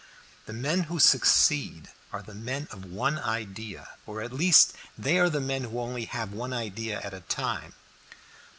The men who succeed are the men of one idea or at least they are the men who only have one idea at a time."